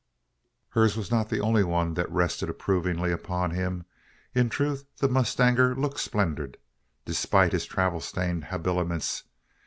Hers was not the only one that rested approvingly upon him. In truth, the mustanger looked splendid, despite his travel stained habiliments.